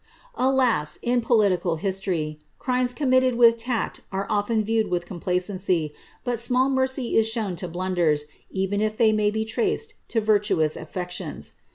Alls ! in political history, crimes committed with tact are ofVen viewed with complacency, but small mercy is shown to blunders, even if they may be traced to the virtuous afiections.